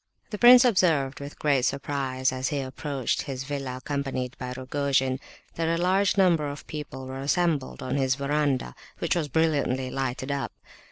The prince observed with great surprise, as he approached his villa, accompanied by Rogojin, that a large number of people were assembled on his verandah, which was brilliantly lighted up.